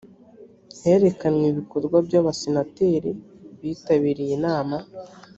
herekanwe ibikorwa by abasenateri bitabiriye inama